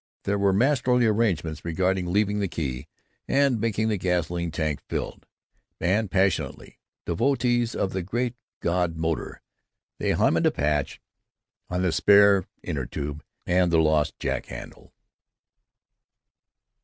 There were masterly arrangements regarding leaving the key, and having the gasoline tank filled; and passionately, devotees of the Great God Motor, they hymned the patch on the spare inner tube, and the lost jack handle.